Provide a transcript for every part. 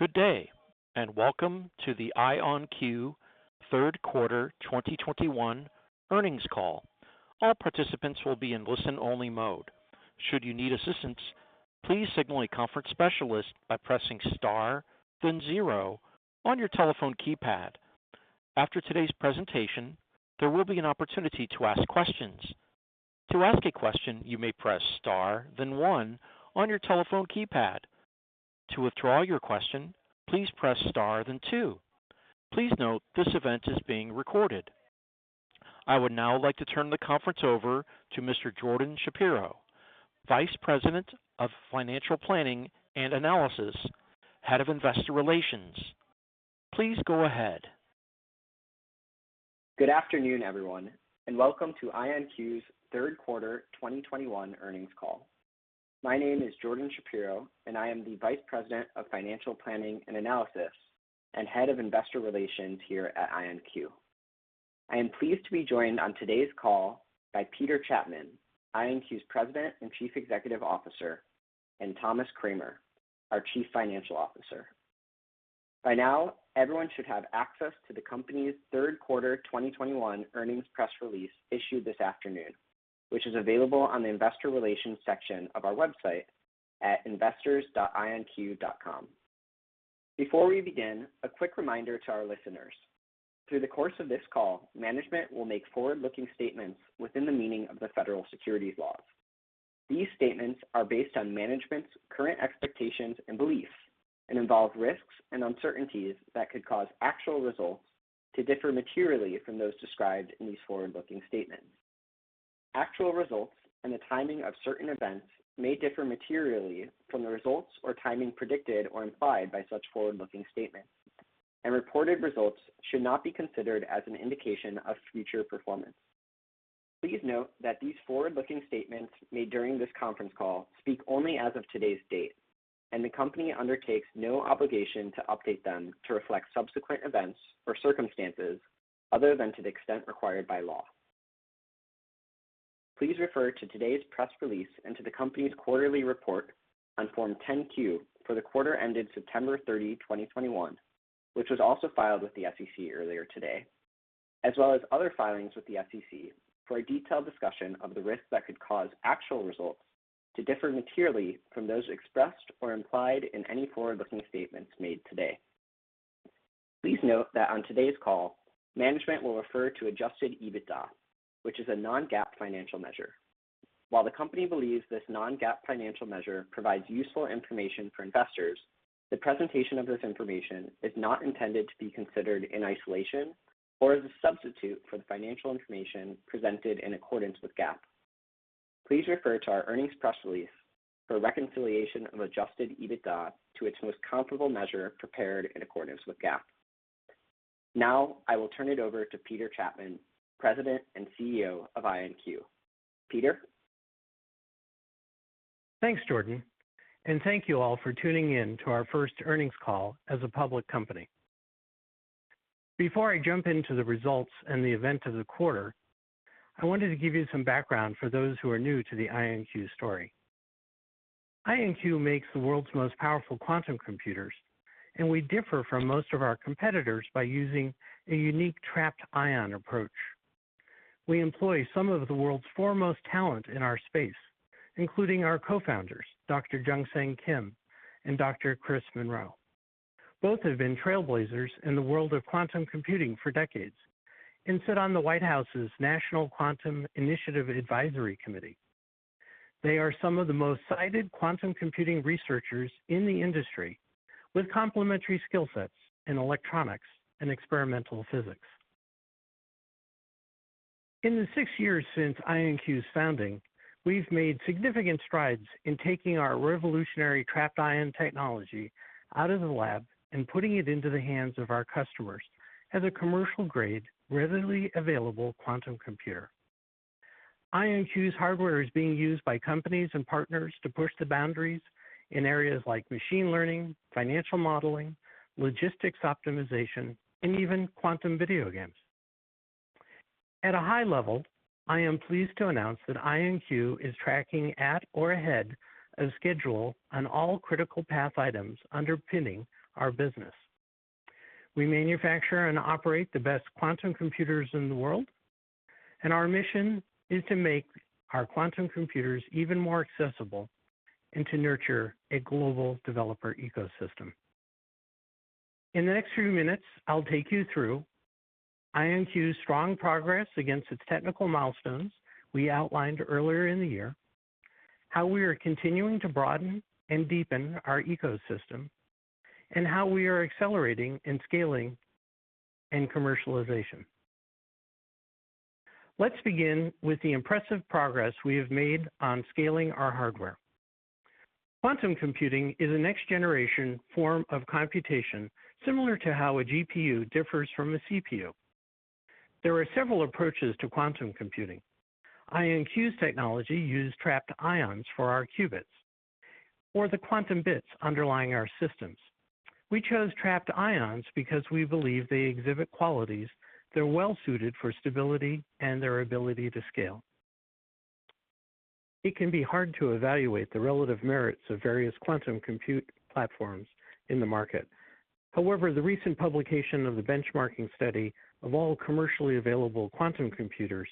Good day, and welcome to the IonQ third quarter 2021 earnings call. All participants will be in listen-only mode. Should you need assistance, please signal a conference specialist by pressing Star, then zero on your telephone keypad. After today's presentation, there will be an opportunity to ask questions. To ask a question, you may press Star then one on your telephone keypad. To withdraw your question, please press Star then two. Please note this event is being recorded. I would now like to turn the conference over to Mr. Jordan Shapiro, Vice President of Financial Planning and Analysis, Head of Investor Relations. Please go ahead. Good afternoon, everyone, and welcome to IonQ's third quarter 2021 earnings call. My name is Jordan Shapiro, and I am the Vice President of Financial Planning and Analysis and Head of Investor Relations here at IonQ. I am pleased to be joined on today's call by Peter Chapman, IonQ's President and Chief Executive Officer, and Thomas Kramer, our Chief Financial Officer. By now, everyone should have access to the company's third quarter 2021 earnings press release issued this afternoon, which is available on the investor relations section of our website at investors.ionq.com. Before we begin, a quick reminder to our listeners. Through the course of this call, management will make forward-looking statements within the meaning of the federal securities laws. These statements are based on management's current expectations and beliefs and involve risks and uncertainties that could cause actual results to differ materially from those described in these forward-looking statements. Actual results and the timing of certain events may differ materially from the results or timing predicted or implied by such forward-looking statements, and reported results should not be considered as an indication of future performance. Please note that these forward-looking statements made during this conference call speak only as of today's date, and the company undertakes no obligation to update them to reflect subsequent events or circumstances other than to the extent required by law. Please refer to today's press release and to the company's quarterly report on Form 10-Q for the quarter ended September 30, 2021, which was also filed with the SEC earlier today, as well as other filings with the SEC for a detailed discussion of the risks that could cause actual results to differ materially from those expressed or implied in any forward-looking statements made today. Please note that on today's call, management will refer to adjusted EBITDA, which is a non-GAAP financial measure. While the company believes this non-GAAP financial measure provides useful information for investors, the presentation of this information is not intended to be considered in isolation or as a substitute for the financial information presented in accordance with GAAP. Please refer to our earnings press release for a reconciliation of adjusted EBITDA to its most comparable measure prepared in accordance with GAAP. Now, I will turn it over to Peter Chapman, President and CEO of IonQ. Peter? Thanks, Jordan, and thank you all for tuning in to our first earnings call as a public company. Before I jump into the results and the events of the quarter, I wanted to give you some background for those who are new to the IonQ story. IonQ makes the world's most powerful quantum computers, and we differ from most of our competitors by using a unique trapped ion approach. We employ some of the world's foremost talent in our space, including our cofounders, Dr. Jungsang Kim and Dr. Chris Monroe. Both have been trailblazers in the world of quantum computing for decades and sit on the White House's National Quantum Initiative Advisory Committee. They are some of the most cited quantum computing researchers in the industry with complementary skill sets in electronics and experimental physics. In the six years since IonQ's founding, we've made significant strides in taking our revolutionary trapped ion technology out of the lab and putting it into the hands of our customers as a commercial-grade, readily available quantum computer. IonQ's hardware is being used by companies and partners to push the boundaries in areas like machine learning, financial modeling, logistics optimization, and even quantum video games. At a high level, I am pleased to announce that IonQ is tracking at or ahead of schedule on all critical path items underpinning our business. We manufacture and operate the best quantum computers in the world, and our mission is to make our quantum computers even more accessible and to nurture a global developer ecosystem. In the next few minutes, I'll take you through IonQ's strong progress against its technical milestones we outlined earlier in the year, how we are continuing to broaden and deepen our ecosystem, and how we are accelerating and scaling in commercialization. Let's begin with the impressive progress we have made on scaling our hardware. Quantum computing is a next generation form of computation, similar to how a GPU differs from a CPU. There are several approaches to quantum computing. IonQ's technology use trapped ions for our qubits or the quantum bits underlying our systems. We chose trapped ions because we believe they exhibit qualities that are well-suited for stability and their ability to scale. It can be hard to evaluate the relative merits of various quantum compute platforms in the market. However, the recent publication of the benchmarking study of all commercially available quantum computers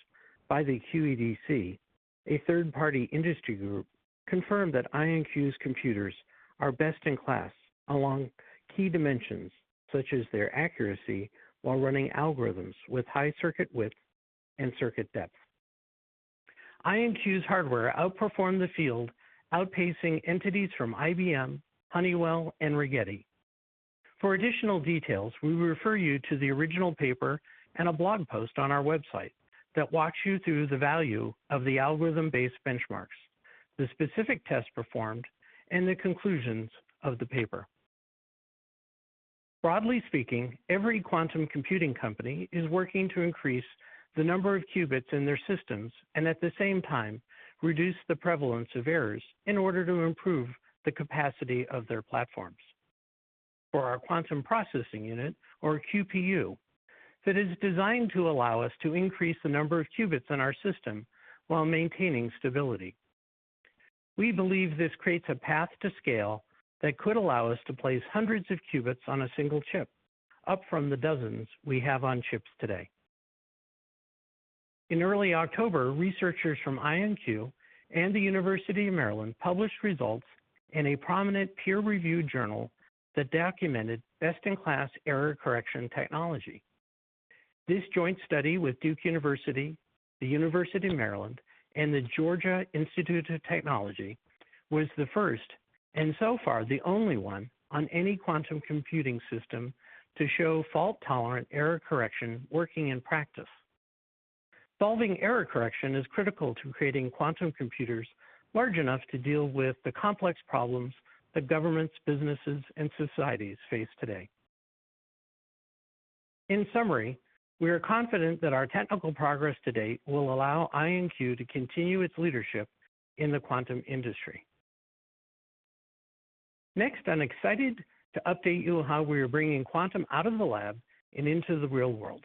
by the QED-C, a third-party industry group, confirmed that IonQ's computers are best in class along key dimensions, such as their accuracy while running algorithms with high circuit width and circuit depth. IonQ's hardware outperformed the field, outpacing entities from IBM, Honeywell, and Rigetti. For additional details, we refer you to the original paper and a blog post on our website that walks you through the value of the algorithm-based benchmarks, the specific tests performed, and the conclusions of the paper. Broadly speaking, every quantum computing company is working to increase the number of qubits in their systems and, at the same time, reduce the prevalence of errors in order to improve the capacity of their platforms. For our quantum processing unit, or QPU, that is designed to allow us to increase the number of qubits in our system while maintaining stability. We believe this creates a path to scale that could allow us to place hundreds of qubits on a single chip, up from the dozens we have on chips today. In early October, researchers from IonQ and the University of Maryland published results in a prominent peer-reviewed journal that documented best-in-class error correction technology. This joint study with Duke University, the University of Maryland, and the Georgia Institute of Technology was the first, and so far the only one, on any quantum computing system to show fault-tolerant error correction working in practice. Solving error correction is critical to creating quantum computers large enough to deal with the complex problems that governments, businesses, and societies face today. In summary, we are confident that our technical progress to date will allow IonQ to continue its leadership in the quantum industry. Next, I'm excited to update you on how we are bringing quantum out of the lab and into the real world.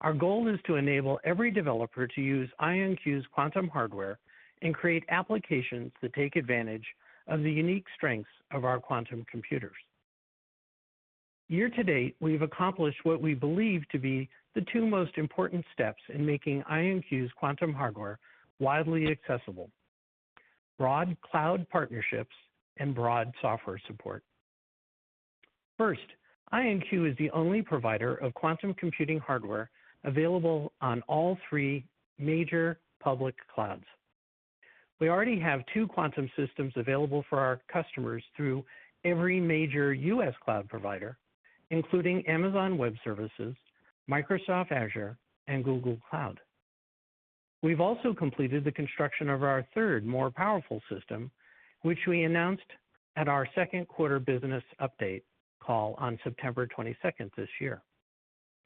Our goal is to enable every developer to use IonQ's quantum hardware and create applications that take advantage of the unique strengths of our quantum computers. Year to date, we've accomplished what we believe to be the two most important steps in making IonQ's quantum hardware widely accessible: broad cloud partnerships and broad software support. First, IonQ is the only provider of quantum computing hardware available on all three major public clouds. We already have two quantum systems available for our customers through every major U.S. cloud provider, including Amazon Web Services, Microsoft Azure, and Google Cloud. We've also completed the construction of our third, more powerful system, which we announced at our second quarter business update call on September 22 this year.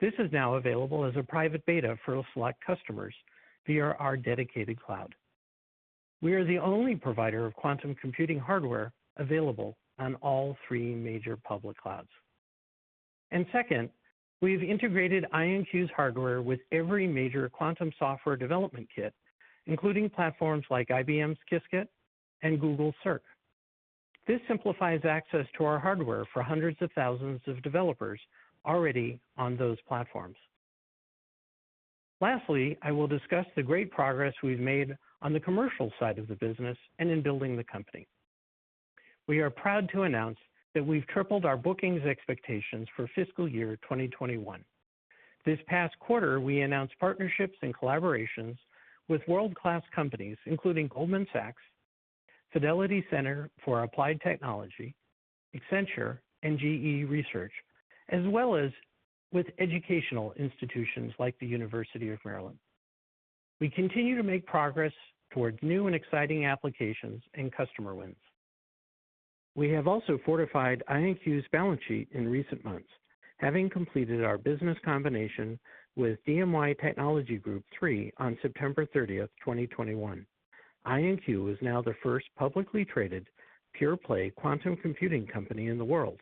This is now available as a private beta for select customers via our dedicated cloud. We are the only provider of quantum computing hardware available on all three major public clouds. Second, we've integrated IonQ's hardware with every major quantum software development kit, including platforms like IBM's Qiskit and Google Cirq. This simplifies access to our hardware for hundreds of thousands of developers already on those platforms. Lastly, I will discuss the great progress we've made on the commercial side of the business and in building the company. We are proud to announce that we've tripled our bookings expectations for fiscal year 2021. This past quarter, we announced partnerships and collaborations with world-class companies, including Goldman Sachs, Fidelity Center for Applied Technology, Accenture, and GE Research, as well as with educational institutions like the University of Maryland. We continue to make progress towards new and exciting applications and customer wins. We have also fortified IonQ's balance sheet in recent months. Having completed our business combination with dMY Technology Group, Inc. III on September 30, 2021, IonQ is now the first publicly traded pure-play quantum computing company in the world.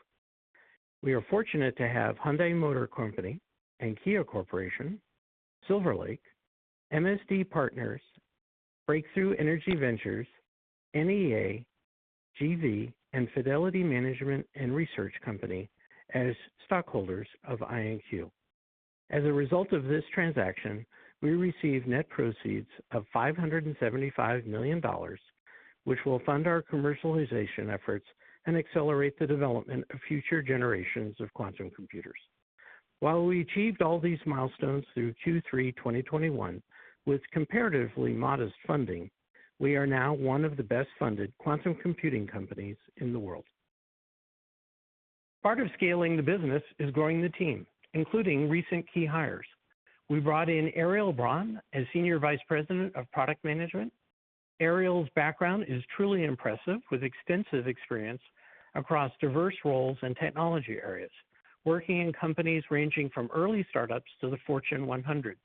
We are fortunate to have Hyundai Motor Company and Kia Corporation, Silver Lake, MSD Partners, Breakthrough Energy Ventures, NEA, GV, and Fidelity Management & Research Company as stockholders of IonQ. As a result of this transaction, we received net proceeds of $575 million, which will fund our commercialization efforts and accelerate the development of future generations of quantum computers. While we achieved all these milestones through Q3 2021 with comparatively modest funding, we are now one of the best-funded quantum computing companies in the world. Part of scaling the business is growing the team, including recent key hires. We brought in Ariel Braunstein as Senior Vice President of Product Management. Ariel's background is truly impressive, with extensive experience across diverse roles and technology areas, working in companies ranging from early startups to the Fortune 100.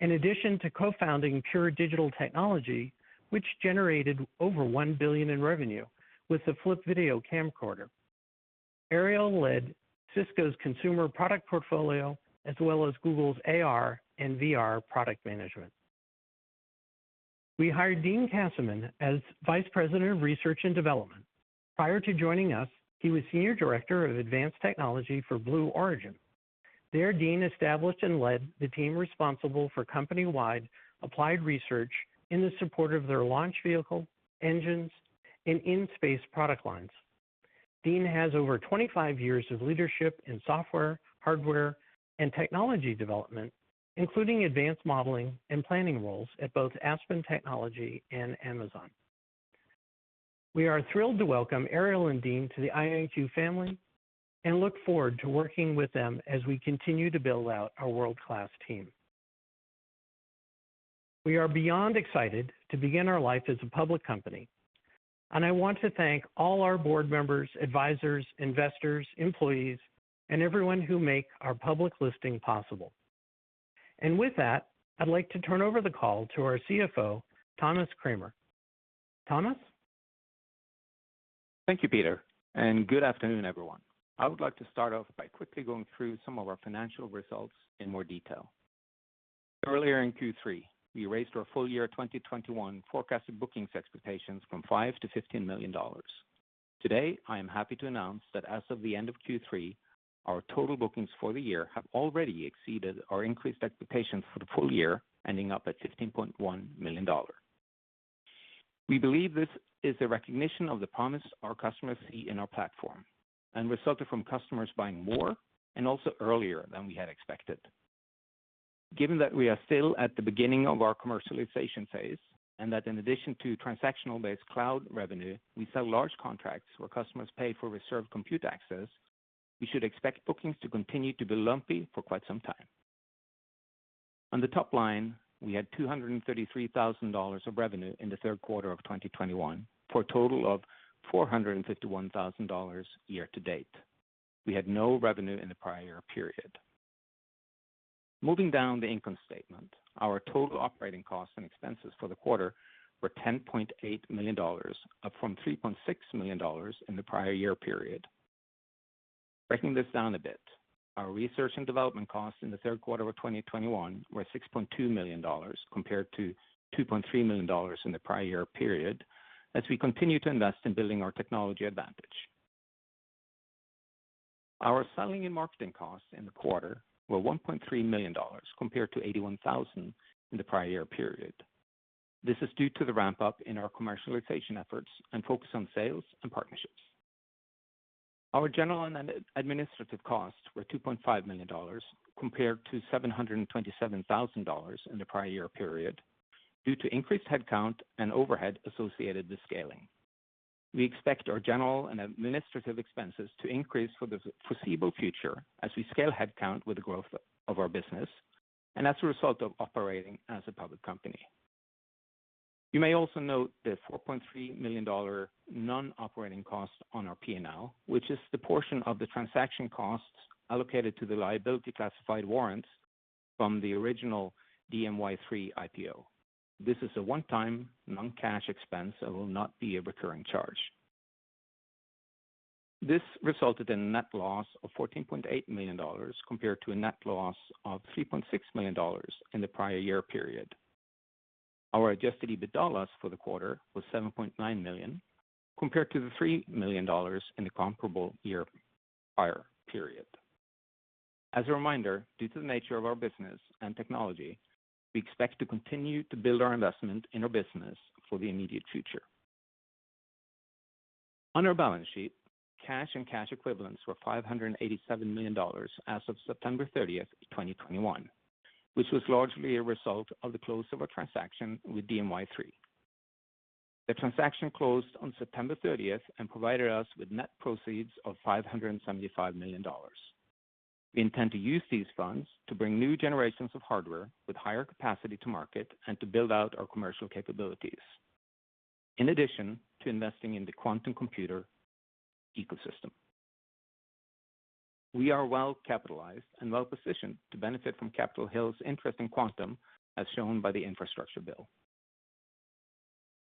In addition to co-founding Pure Digital Technologies, which generated over $1 billion in revenue with the Flip Video camcorder, Ariel led Cisco's consumer product portfolio as well as Google's AR and VR product management. We hired Dean Kassmann as Vice President of Research and Development. Prior to joining us, he was Senior Director of Advanced Technology for Blue Origin. There, Dean established and led the team responsible for company-wide applied research in the support of their launch vehicle, engines, and in-space product lines. Dean has over 25 years of leadership in software, hardware, and technology development, including advanced modeling and planning roles at both Aspen Technology and Amazon. We are thrilled to welcome Ariel and Dean to the IonQ family and look forward to working with them as we continue to build out our world-class team. We are beyond excited to begin our life as a public company, and I want to thank all our board members, advisors, investors, employees, and everyone who make our public listing possible. With that, I'd like to turn over the call to our CFO, Thomas Kramer. Thomas. Thank you, Peter, and good afternoon, everyone. I would like to start off by quickly going through some of our financial results in more detail. Earlier in Q3, we raised our full year 2021 forecasted bookings expectations from $5 million - $15 million. Today, I am happy to announce that as of the end of Q3, our total bookings for the year have already exceeded our increased expectations for the full year, ending up at $15.1 million. We believe this is a recognition of the promise our customers see in our platform and resulted from customers buying more and also earlier than we had expected. Given that we are still at the beginning of our commercialization phase, and that in addition to transactional-based cloud revenue, we sell large contracts where customers pay for reserved compute access, we should expect bookings to continue to be lumpy for quite some time. On the top line, we had $233,000 of revenue in the third quarter of 2021, for a total of $451,000 year to date. We had no revenue in the prior period. Moving down the income statement, our total operating costs and expenses for the quarter were $10.8 million, up from $3.6 million in the prior year period. Breaking this down a bit, our research and development costs in the third quarter of 2021 were $6.2 million compared to $2.3 million in the prior year period as we continue to invest in building our technology advantage. Our selling and marketing costs in the quarter were $1.3 million compared to $81,000 in the prior year period. This is due to the ramp up in our commercialization efforts and focus on sales and partnerships. Our general and administrative costs were $2.5 million compared to $727,000 in the prior year period due to increased headcount and overhead associated with scaling. We expect our general and administrative expenses to increase for the foreseeable future as we scale headcount with the growth of our business and as a result of operating as a public company. You may also note the $4.3 million non-operating cost on our P&L, which is the portion of the transaction costs allocated to the liability-classified warrants from the original DMY III IPO. This is a one-time non-cash expense that will not be a recurring charge. This resulted in a net loss of $14.8 million compared to a net loss of $3.6 million in the prior year period. Our adjusted EBITDA loss for the quarter was $7.9 million, compared to the $3 million in the comparable year prior period. As a reminder, due to the nature of our business and technology, we expect to continue to build our investment in our business for the immediate future. On our balance sheet, cash and cash equivalents were $587 million as of September 30th, 2021, which was largely a result of the close of a transaction with dMY III. The transaction closed on September 30th and provided us with net proceeds of $575 million. We intend to use these funds to bring new generations of hardware with higher capacity to market and to build out our commercial capabilities, in addition to investing in the quantum computer ecosystem. We are well capitalized and well-positioned to benefit from Capitol Hill's interest in quantum, as shown by the infrastructure bill.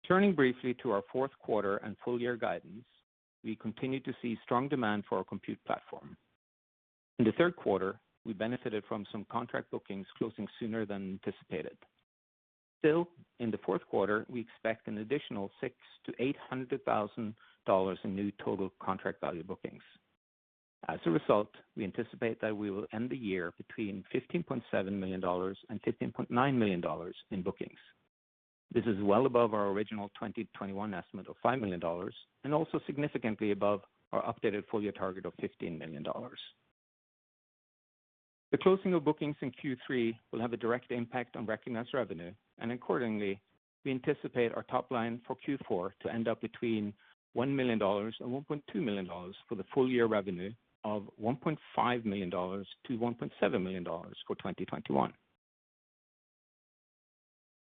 Turning briefly to our fourth quarter and full year guidance, we continue to see strong demand for our compute platform. In the third quarter, we benefited from some contract bookings closing sooner than anticipated. Still, in the fourth quarter, we expect an additional $600,000-$800,000 in new total contract value bookings. As a result, we anticipate that we will end the year between $15.7 million - $15.9 million in bookings. This is well above our original 2021 estimate of $5 million and also significantly above our updated full year target of $15 million. The closing of bookings in Q3 will have a direct impact on recognized revenue, and accordingly, we anticipate our top line for Q4 to end up between $1 million - $1.2 million for the full year revenue of $1.5 million - $1.7 million for 2021.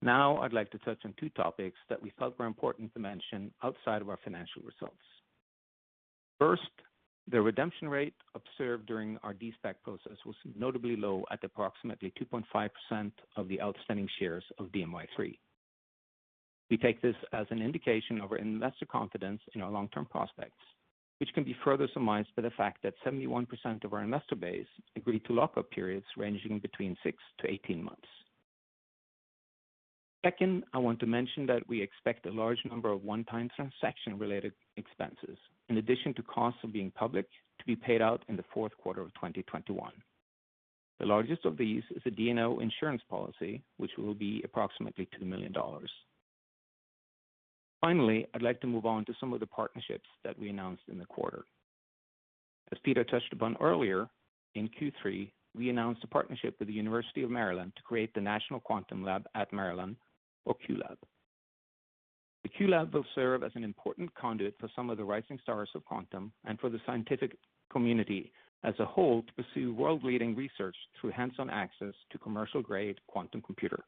Now I'd like to touch on two topics that we felt were important to mention outside of our financial results. First, the redemption rate observed during our de-SPAC process was notably low at approximately 2.5% of the outstanding shares of dMY III. We take this as an indication of our investor confidence in our long-term prospects, which can be further surmised by the fact that 71% of our investor base agreed to lock-up periods ranging between 6-18 months. Second, I want to mention that we expect a large number of one-time transaction-related expenses in addition to costs of being public to be paid out in the fourth quarter of 2021. The largest of these is a D&O insurance policy, which will be approximately $2 million. Finally, I'd like to move on to some of the partnerships that we announced in the quarter. As Peter touched upon earlier, in Q3, we announced a partnership with the University of Maryland to create the National Quantum Lab at Maryland or Q Lab. The Q Lab will serve as an important conduit for some of the rising stars of quantum and for the scientific community as a whole to pursue world-leading research through hands-on access to commercial-grade quantum computer.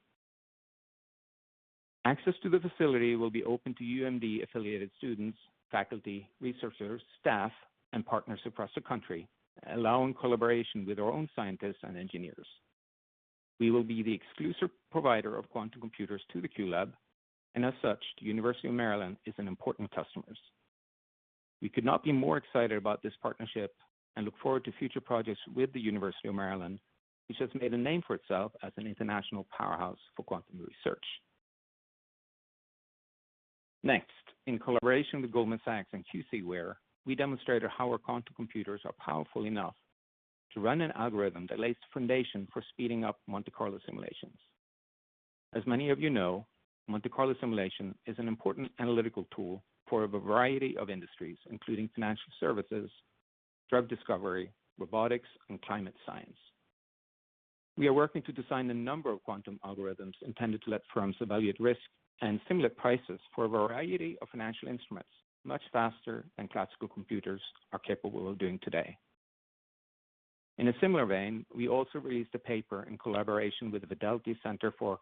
Access to the facility will be open to UMD-affiliated students, faculty, researchers, staff, and partners across the country, allowing collaboration with our own scientists and engineers. We will be the exclusive provider of quantum computers to the Q Lab, and as such, the University of Maryland is an important customer. We could not be more excited about this partnership and look forward to future projects with the University of Maryland, which has made a name for itself as an international powerhouse for quantum research. Next, in collaboration with Goldman Sachs and QC Ware, we demonstrated how our quantum computers are powerful enough to run an algorithm that lays the foundation for speeding up Monte Carlo simulations. As many of you know, Monte Carlo simulation is an important analytical tool for a variety of industries, including financial services, drug discovery, robotics, and climate science. We are working to design a number of quantum algorithms intended to let firms evaluate risk and simulate prices for a variety of financial instruments much faster than classical computers are capable of doing today. In a similar vein, we also released a paper in collaboration with the Fidelity Center for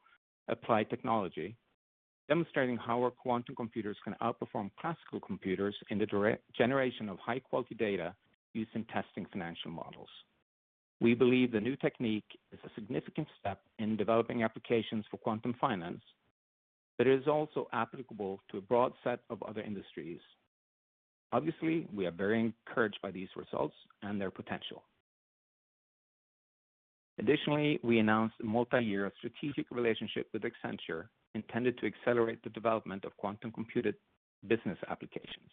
Applied Technology, demonstrating how our quantum computers can outperform classical computers in the direct generation of high-quality data used in testing financial models. We believe the new technique is a significant step in developing applications for quantum finance, but it is also applicable to a broad set of other industries. Obviously, we are very encouraged by these results and their potential. Additionally, we announced a multi-year strategic relationship with Accenture intended to accelerate the development of quantum computing business applications.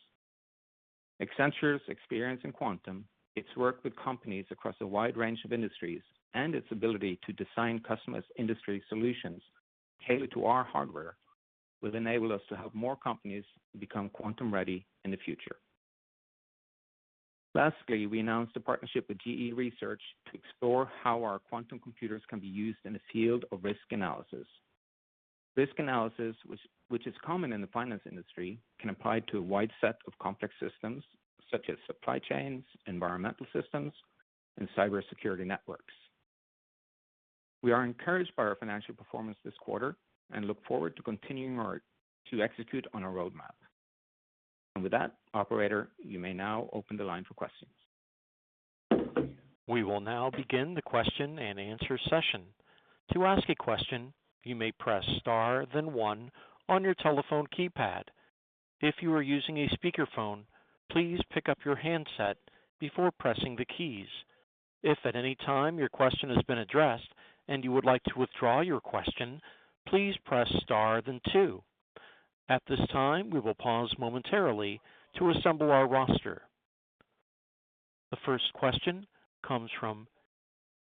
Accenture's experience in quantum, its work with companies across a wide range of industries, and its ability to design customized industry solutions tailored to our hardware will enable us to help more companies become quantum-ready in the future. Lastly, we announced a partnership with GE Research to explore how our quantum computers can be used in the field of risk analysis. Risk analysis, which is common in the finance industry, can apply to a wide set of complex systems such as supply chains, environmental systems, and cybersecurity networks. We are encouraged by our financial performance this quarter and look forward to continuing to execute on our roadmap. With that, operator, you may now open the line for questions. We will now begin the question-and-answer session. To ask a question, you may press Star, then one on your telephone keypad. If you are using a speakerphone, please pick up your handset before pressing the keys. If at any time your question has been addressed and you would like to withdraw your question, please press Star then two. At this time, we will pause momentarily to assemble our roster. The first question comes from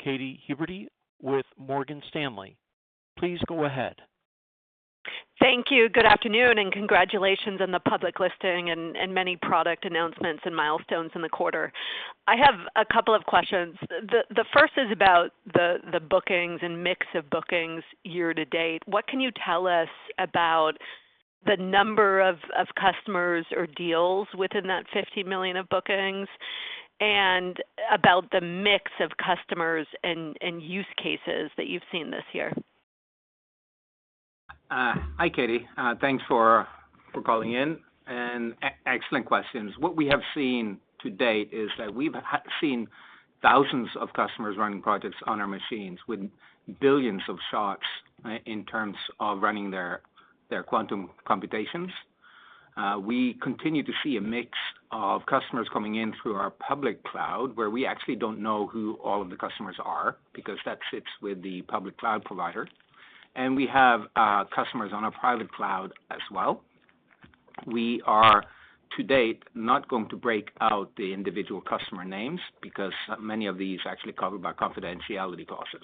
Katy Huberty with Morgan Stanley. Please go ahead. Thank you. Good afternoon, and congratulations on the public listing and many product announcements and milestones in the quarter. I have a couple of questions. The first is about the bookings and mix of bookings year to date. What can you tell us about the number of customers or deals within that $15 million of bookings and about the mix of customers and use cases that you've seen this year? Hi, Katy. Thanks for calling in and excellent questions. What we have seen to date is that we've seen thousands of customers running projects on our machines with billions of shots in terms of running their quantum computations. We continue to see a mix of customers coming in through our public cloud, where we actually don't know who all of the customers are because that sits with the public cloud provider. We have customers on our private cloud as well. We are, to date, not going to break out the individual customer names because many of these are actually covered by confidentiality clauses.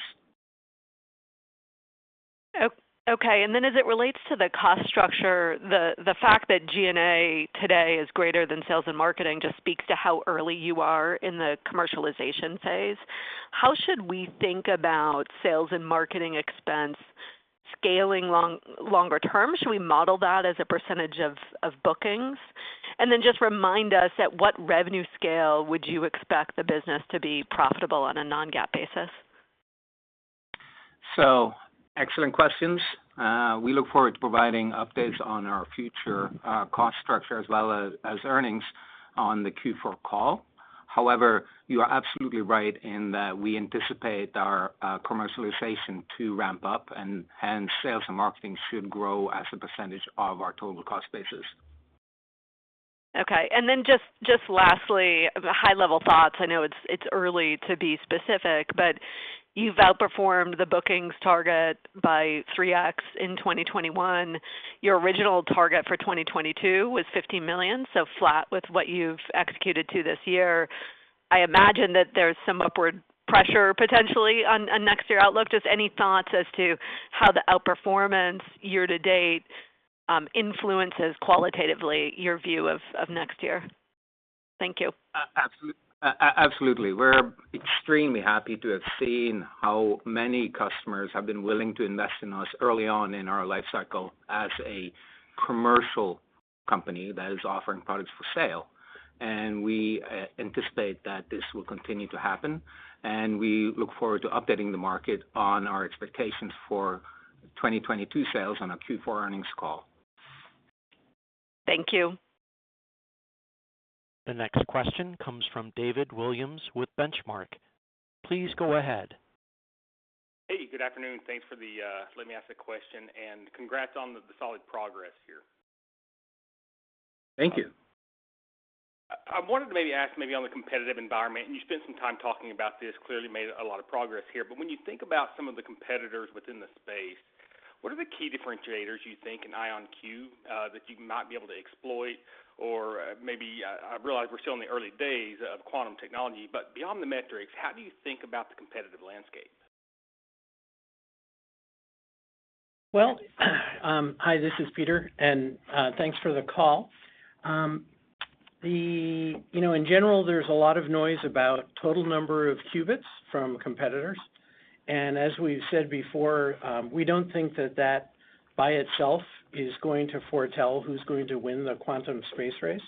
Okay. As it relates to the cost structure, the fact that G&A today is greater than sales and marketing just speaks to how early you are in the commercialization phase. How should we think about sales and marketing expense scaling longer term? Should we model that as a percentage of bookings? Just remind us at what revenue scale would you expect the business to be profitable on a non-GAAP basis? Excellent questions. We look forward to providing updates on our future cost structure as well as earnings on the Q4 call. However, you are absolutely right in that we anticipate our commercialization to ramp up and sales and marketing should grow as a percentage of our total cost basis. Okay. Just lastly, high-level thoughts. I know it's early to be specific, but you've outperformed the bookings target by three times in 2021. Your original target for 2022 was $15 million, so flat with what you've executed to this year. I imagine that there's some upward pressure potentially on next year outlook. Just any thoughts as to how the outperformance year to date influences qualitatively your view of next year? Thank you. Absolutely. We're extremely happy to have seen how many customers have been willing to invest in us early on in our life cycle as a commercial company that is offering products for sale. We anticipate that this will continue to happen, and we look forward to updating the market on our expectations for 2022 sales on our Q4 earnings call. Thank you. The next question comes from David Williams with Benchmark. Please go ahead. Hey, good afternoon. Thanks for letting me ask the question, and congrats on the solid progress here. Thank you. I wanted to maybe ask maybe on the competitive environment, and you spent some time talking about this, clearly made a lot of progress here, but when you think about some of the competitors within the space, what are the key differentiators you think in IonQ that you might be able to exploit? Or maybe, I realize we're still in the early days of quantum technology, but beyond the metrics, how do you think about the competitive landscape? Well, hi, this is Peter, and thanks for the call. You know, in general, there's a lot of noise about total number of qubits from competitors. As we've said before, we don't think that by itself is going to foretell who's going to win the quantum space race.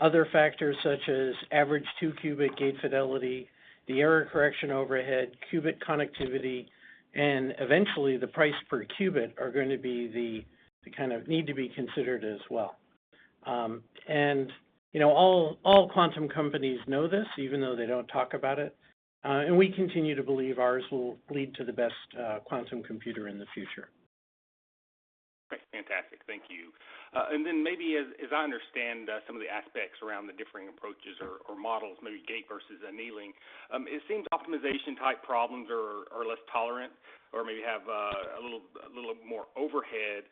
Other factors such as average two-qubit gate fidelity, the error correction overhead, qubit connectivity, and eventually the price per qubit are gonna be the kind of need to be considered as well. You know, all quantum companies know this, even though they don't talk about it, and we continue to believe ours will lead to the best quantum computer in the future. Great. Fantastic. Thank you. Maybe as I understand, some of the aspects around the differing approaches or models, maybe gate versus annealing, it seems optimization-type problems are less tolerant or maybe have a little more overhead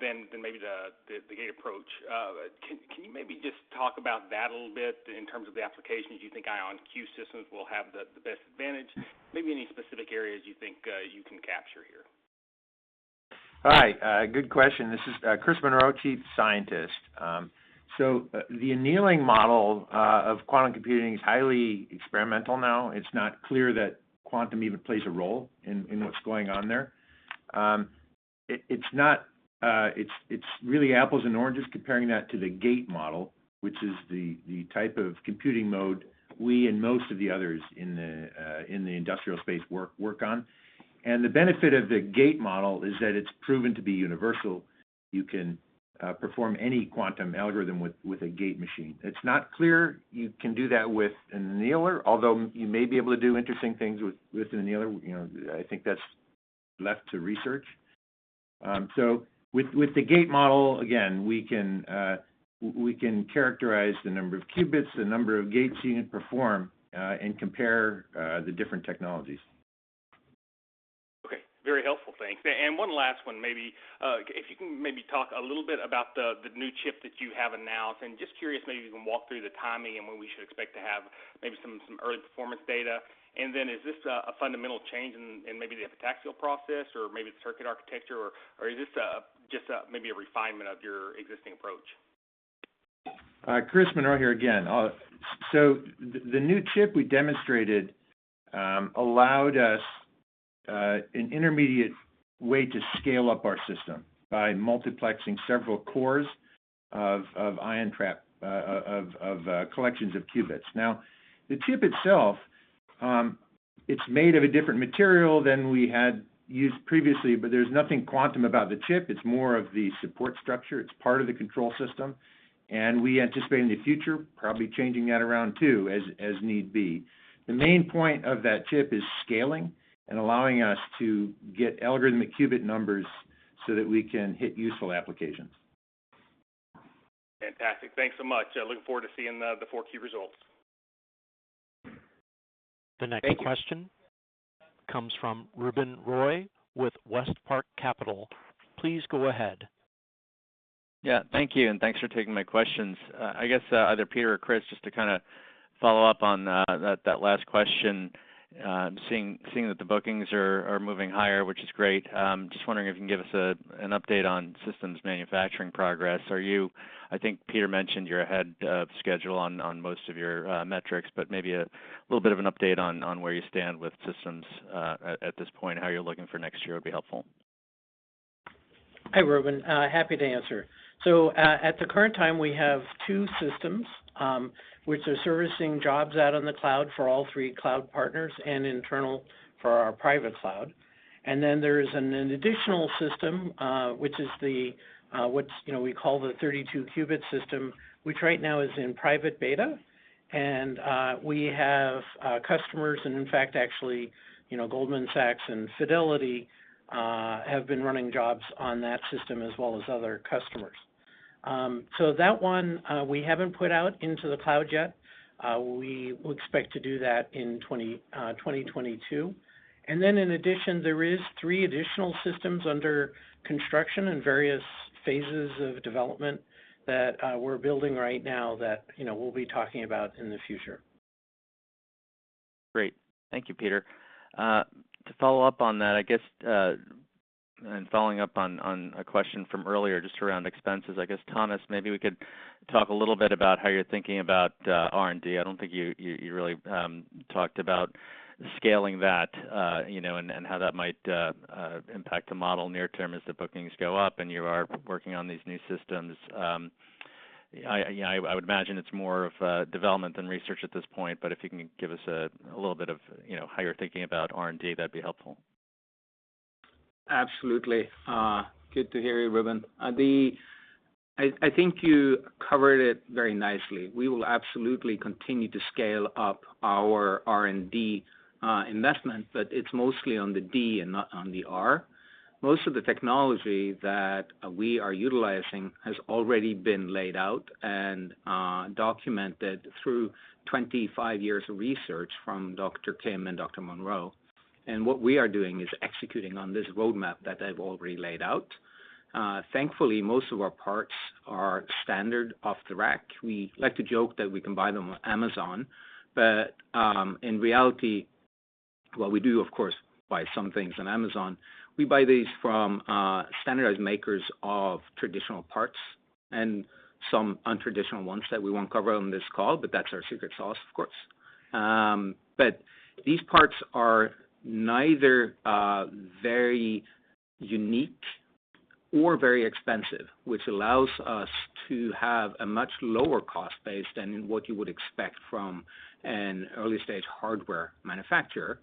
than maybe the gate approach. Can you maybe just talk about that a little bit in terms of the applications you think IonQ systems will have the best advantage, maybe any specific areas you think you can capture here? All right, good question. This is Christopher Monroe, Chief Scientist. So the annealing model of quantum computing is highly experimental now. It's not clear that quantum even plays a role in what's going on there. It's really apples and oranges comparing that to the gate model, which is the type of computing mode we and most of the others in the industrial space work on. The benefit of the gate model is that it's proven to be universal. You can perform any quantum algorithm with a gate machine. It's not clear you can do that with an annealer, although you may be able to do interesting things with an annealer. You know, I think that's left to research. With the gate model, again, we can characterize the number of qubits, the number of gates you can perform, and compare the different technologies. Okay. Very helpful. Thanks. One last one. Maybe, if you can maybe talk a little bit about the new chip that you have announced and just curious, maybe you can walk through the timing and when we should expect to have maybe some early performance data. Is this a fundamental change in maybe the epitaxial process or maybe the circuit architecture or is this just a maybe a refinement of your existing approach? Christopher Monroe here again. The new chip we demonstrated allowed us an intermediate way to scale up our system by multiplexing several cores of ion trap collections of qubits. The chip itself, it's made of a different material than we had used previously, but there's nothing quantum about the chip. It's more of the support structure. It's part of the control system, and we anticipate in the future probably changing that around too as need be. The main point of that chip is scaling and allowing us to get Algorithmic Qubit numbers so that we can hit useful applications. Fantastic. Thanks so much. Looking forward to seeing the Q4 results. Thank you. The next question comes from Ruben Roy with WestPark Capital. Please go ahead. Yeah. Thank you, and thanks for taking my questions. I guess either Peter or Christopher, just to kinda follow up on that last question, seeing that the bookings are moving higher, which is great, just wondering if you can give us an update on systems manufacturing progress. I think Peter mentioned you're ahead of schedule on most of your metrics, but maybe a little bit of an update on where you stand with systems at this point, how you're looking for next year would be helpful. Hi, Ruben. Happy to answer. At the current time, we have two systems which are servicing jobs out on the cloud for all three cloud partners and internal for our private cloud. There is an additional system, which is the, you know, we call the 32-qubit system, which right now is in private beta. We have customers and in fact, actually, you know, Goldman Sachs and Fidelity have been running jobs on that system as well as other customers. That one, we haven't put out into the cloud yet. We will expect to do that in 2022. In addition, there is three additional systems under construction in various phases of development that we're building right now that, you know, we'll be talking about in the future. Great. Thank you, Peter. To follow up on that, I guess, and following up on a question from earlier just around expenses, I guess, Thomas, maybe we could talk a little bit about how you're thinking about R&D. I don't think you really talked about scaling that, you know, and how that might impact the model near term as the bookings go up and you are working on these new systems. You know, I would imagine it's more of development than research at this point, but if you can give us a little bit of, you know, how you're thinking about R&D, that'd be helpful. Absolutely. Good to hear you, Reuben. I think you covered it very nicely. We will absolutely continue to scale up our R&D investment, but it's mostly on the D and not on the R. Most of the technology that we are utilizing has already been laid out and documented through 25 years of research from Dr. Kim and Dr. Monroe. What we are doing is executing on this roadmap that they've already laid out. Thankfully, most of our parts are standard off the rack. We like to joke that we can buy them on Amazon. In reality, while we do of course buy some things on Amazon, we buy these from standardized makers of traditional parts and some untraditional ones that we won't cover on this call, but that's our secret sauce, of course. These parts are neither very unique or very expensive, which allows us to have a much lower cost base than what you would expect from an early-stage hardware manufacturer.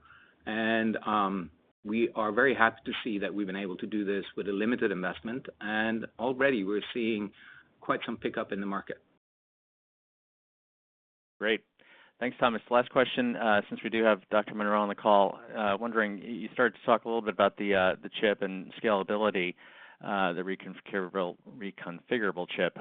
We are very happy to see that we've been able to do this with a limited investment, and already we're seeing quite some pickup in the market. Great. Thanks, Thomas. Last question, since we do have Dr. Monroe on the call, wondering, you started to talk a little bit about the chip and scalability, the reconfigurable chip.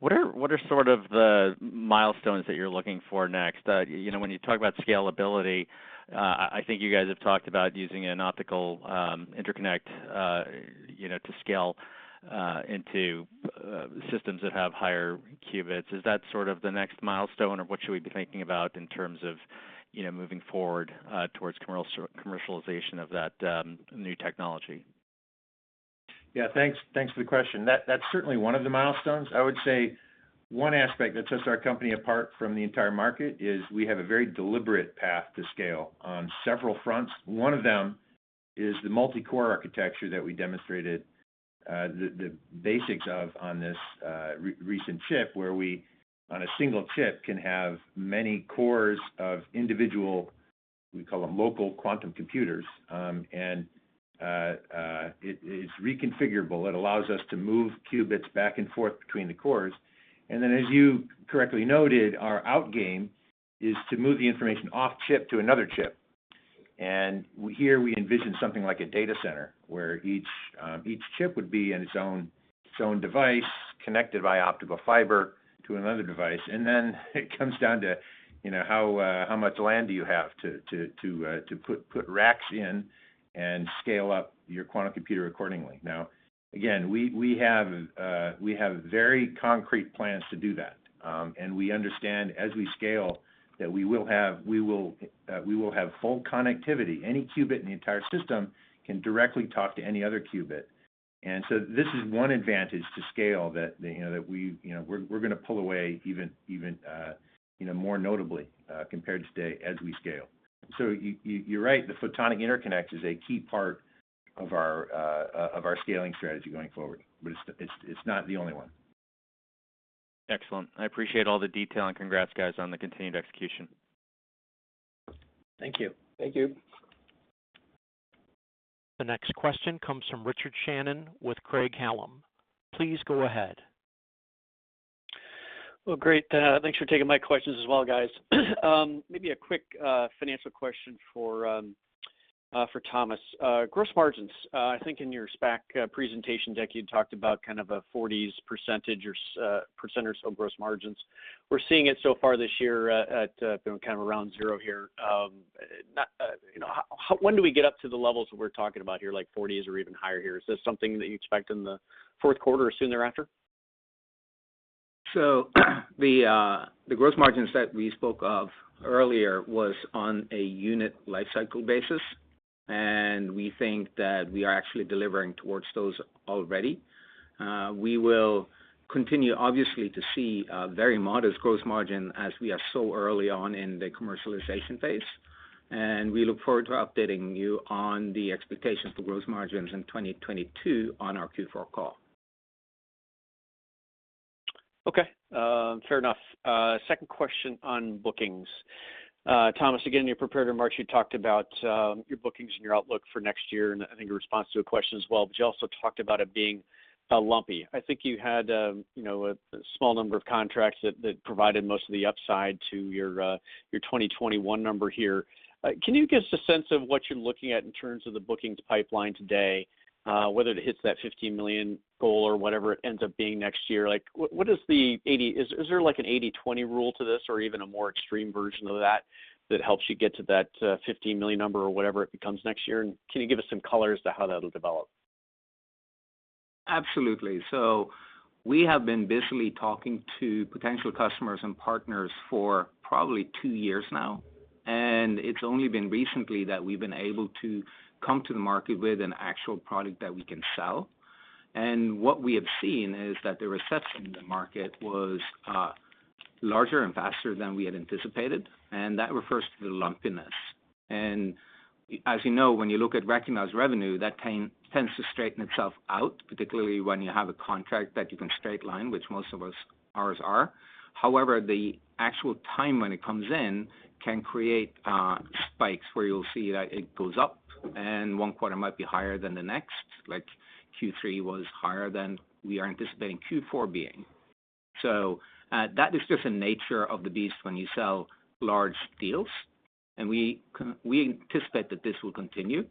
What are sort of the milestones that you're looking for next? You know, when you talk about scalability, I think you guys have talked about using an optical interconnect, you know, to scale into systems that have higher qubits. Is that sort of the next milestone, or what should we be thinking about in terms of, you know, moving forward towards commercialization of that new technology? Yeah. Thanks for the question. That's certainly one of the milestones. I would say one aspect that sets our company apart from the entire market is we have a very deliberate path to scale on several fronts. One of them is the multi-core architecture that we demonstrated, the basics of on this recent chip, where we on a single chip can have many cores of individual, we call them local quantum computers. It is reconfigurable. It allows us to move qubits back and forth between the cores. Then, as you correctly noted, our end game is to move the information off chip to another chip. Here we envision something like a data center, where each chip would be in its own device connected by optical fiber to another device. It comes down to, you know, how much land do you have to put racks in and scale up your quantum computer accordingly. Now, again, we have very concrete plans to do that. We understand as we scale that we will have full connectivity. Any qubit in the entire system can directly talk to any other qubit. This is one advantage to scale that, you know, that we, you know, we're gonna pull away even more notably compared to today as we scale. You're right, the photonic interconnect is a key part of our scaling strategy going forward, but it's not the only one. Excellent. I appreciate all the detail, and congrats guys on the continued execution. Thank you. Thank you. The next question comes from Richard Shannon with Craig-Hallum. Please go ahead. Well, great. Thanks for taking my questions as well, guys. Maybe a quick financial question for Thomas. Gross margins. I think in your SPAC presentation deck, you talked about kind of a 40s% of gross margins. We're seeing it so far this year at, you know, kind of around 0% here. You know, how. When do we get up to the levels that we're talking about here, like 40s% or even higher here? Is this something that you expect in the fourth quarter or soon thereafter? The gross margins that we spoke of earlier was on a unit life cycle basis, and we think that we are actually delivering towards those already. We will continue obviously to see a very modest gross margin as we are so early on in the commercialization phase. We look forward to updating you on the expectations for gross margins in 2022 on our Q4 call. Okay. Fair enough. Second question on bookings. Thomas, again, in your prepared remarks, you talked about your bookings and your outlook for next year, and I think in response to a question as well, but you also talked about it being lumpy. I think you had, you know, a small number of contracts that provided most of the upside to your 2021 number here. Can you give us a sense of what you're looking at in terms of the bookings pipeline today, whether it hits that $15 million goal or whatever it ends up being next year? Like what is the 80/20 rule to this or even a more extreme version of that that helps you get to that $15 million number or whatever it becomes next year? Can you give us some color as to how that'll develop? Absolutely. We have been busily talking to potential customers and partners for probably two years now, and it's only been recently that we've been able to come to the market with an actual product that we can sell. What we have seen is that the reception in the market was larger and faster than we had anticipated, and that refers to the lumpiness. As you know, when you look at recognized revenue, that tends to straighten itself out, particularly when you have a contract that you can straight line, which most of us, ours are. However, the actual time when it comes in can create spikes where you'll see that it goes up and one quarter might be higher than the next, like Q3 was higher than we are anticipating Q4 being. That is just the nature of the beast when you sell large deals, and we anticipate that this will continue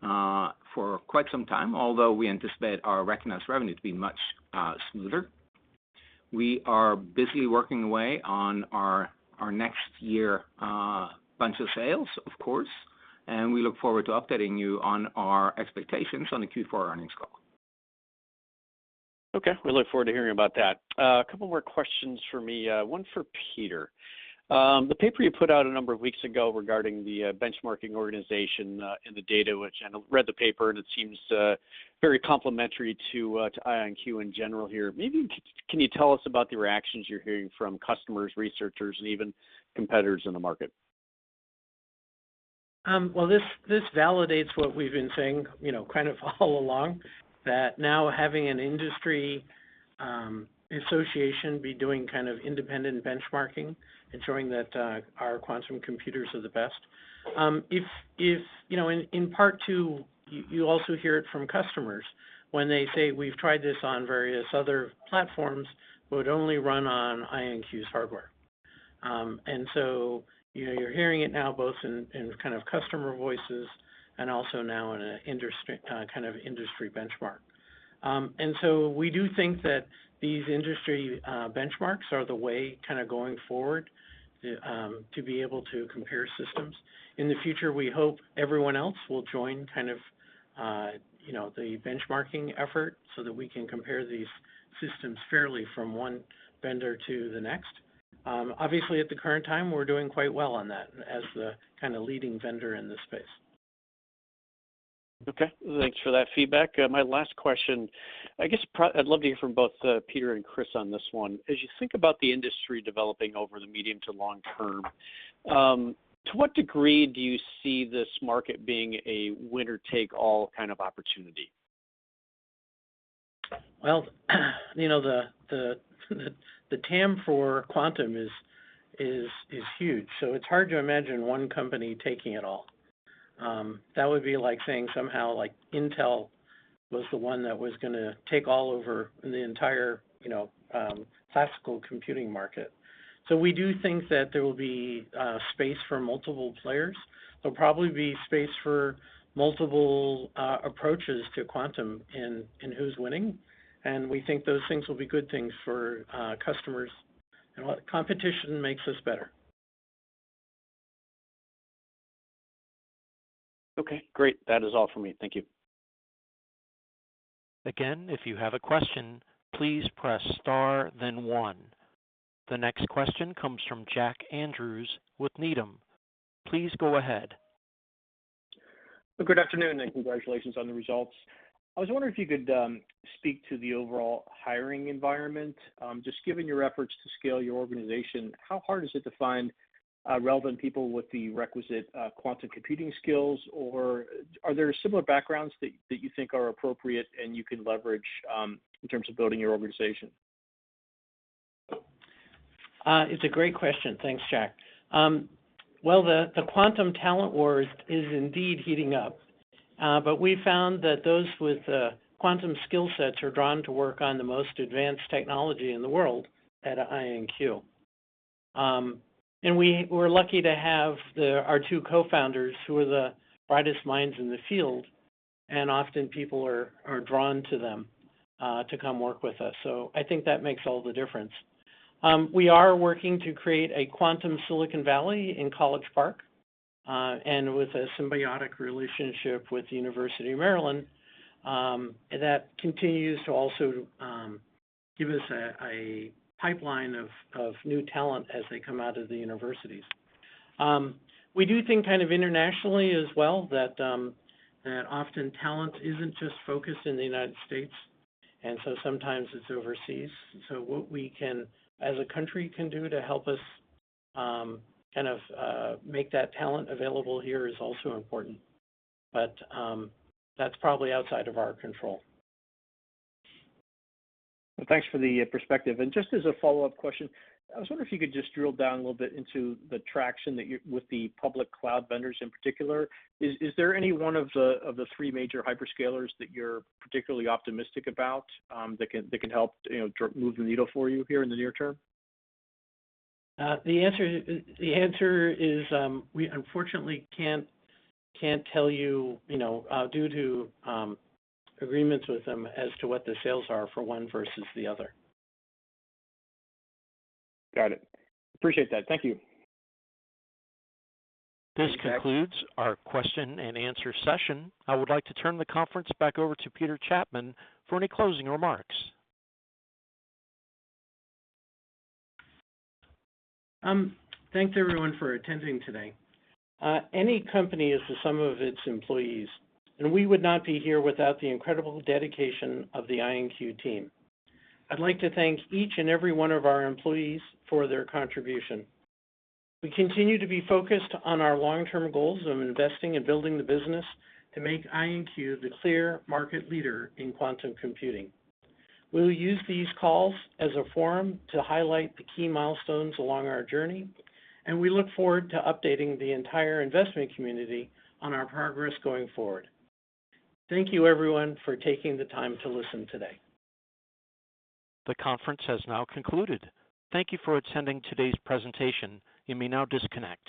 for quite some time, although we anticipate our recognized revenue to be much smoother. We are busily working away on our next year bunch of sales, of course, and we look forward to updating you on our expectations on the Q4 earnings call. Okay. We look forward to hearing about that. A couple more questions from me. One for Peter. The paper you put out a number of weeks ago regarding the benchmarking organization and the data, and I read the paper, and it seems very complimentary to IonQ in general here. Maybe can you tell us about the reactions you're hearing from customers, researchers, and even competitors in the market? Well, this validates what we've been saying, you know, kind of all along, that now having an industry association be doing kind of independent benchmarking and showing that our quantum computers are the best. If, you know, in part two, you also hear it from customers when they say, "We've tried this on various other platforms, but it would only run on IonQ's hardware." You know, you're hearing it now both in kind of customer voices and also now in an industry benchmark. We do think that these industry benchmarks are the way kind of going forward to be able to compare systems. In the future, we hope everyone else will join kind of, you know, the benchmarking effort so that we can compare these systems fairly from one vendor to the next. Obviously, at the current time, we're doing quite well on that as the kind of leading vendor in this space. Okay. Thanks for that feedback. My last question, I guess I'd love to hear from both Peter and Chris on this one. As you think about the industry developing over the medium to long term, to what degree do you see this market being a winner-take-all kind of opportunity? Well, you know, the TAM for quantum is huge, so it's hard to imagine one company taking it all. That would be like saying somehow like Intel was the one that was gonna take all over the entire, you know, classical computing market. We do think that there will be space for multiple players. There'll probably be space for multiple approaches to quantum in who's winning, and we think those things will be good things for customers, and competition makes us better. Okay, great. That is all for me. Thank you. Again, if you have a question, please press star then one. The next question comes from Jack Andrews with Needham. Please go ahead. Good afternoon, and congratulations on the results. I was wondering if you could speak to the overall hiring environment. Just given your efforts to scale your organization, how hard is it to find relevant people with the requisite quantum computing skills, or are there similar backgrounds that you think are appropriate and you can leverage in terms of building your organization? It's a great question. Thanks, Jack. The quantum talent war is indeed heating up, but we found that those with quantum skill sets are drawn to work on the most advanced technology in the world at IonQ. We're lucky to have our two co-founders who are the brightest minds in the field, and often people are drawn to them to come work with us. I think that makes all the difference. We are working to create a quantum Silicon Valley in College Park, and with a symbiotic relationship with the University of Maryland, that continues to also give us a pipeline of new talent as they come out of the universities. We do think kind of internationally as well that often talent isn't just focused in the United States, and so sometimes it's overseas. What we can, as a country, do to help us, kind of, make that talent available here is also important. That's probably outside of our control. Well, thanks for the perspective. Just as a follow-up question, I was wondering if you could just drill down a little bit into the traction that you're with the public cloud vendors in particular. Is there any one of the three major hyperscalers that you're particularly optimistic about that can help, you know, move the needle for you here in the near term? The answer is, we unfortunately can't tell you know, due to agreements with them as to what the sales are for one versus the other. Got it. Appreciate that. Thank you. This concludes our question and answer session. I would like to turn the conference back over to Peter Chapman for any closing remarks. Thanks everyone for attending today. Any company is the sum of its employees, and we would not be here without the incredible dedication of the IonQ team. I'd like to thank each and every one of our employees for their contribution. We continue to be focused on our long-term goals of investing and building the business to make IonQ the clear market leader in quantum computing. We will use these calls as a forum to highlight the key milestones along our journey, and we look forward to updating the entire investment community on our progress going forward. Thank you, everyone, for taking the time to listen today. The conference has now concluded. Thank you for attending today's presentation. You may now disconnect.